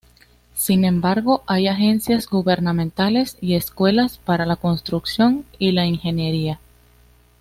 Sin embargo, hay agencias gubernamentales y escuelas para la construcción y la ingeniería.